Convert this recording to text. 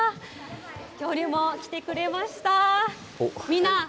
恐竜も来てくれました。